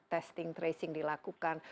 testing tracing dilakukan